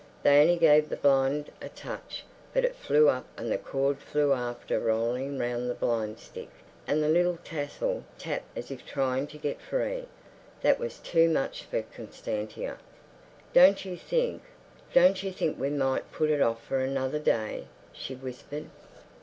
They only gave the blind a touch, but it flew up and the cord flew after, rolling round the blind stick, and the little tassel tapped as if trying to get free. That was too much for Constantia. "Don't you think—don't you think we might put it off for another day?" she whispered.